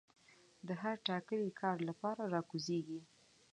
د هر ټاکلي کار لپاره را کوزيږي